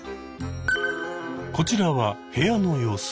こちらは部屋の様子。